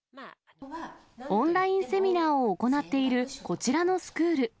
オンラインセミナーを行っている、こちらのスクール。